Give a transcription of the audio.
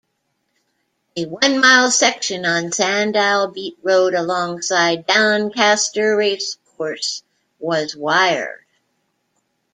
A one mile section on Sandall Beat Road alongside Doncaster Racecourse was wired.